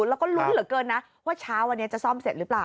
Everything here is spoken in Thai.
และก็รู้เหลือเกินว่าเช้าวันนี้จะส่อมเสร็จรึเปล่า